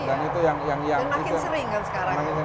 dan itu yang makin sering kan sekarang